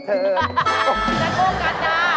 จะโทษกันนะ